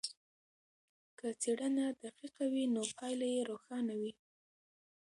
که څېړنه دقیقه وي نو پایله یې روښانه وي.